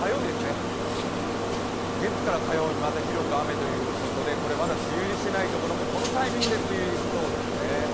月から火曜日、また広く雨ということで、梅雨入りしていないところもこのタイミングで梅雨入りしそうですね。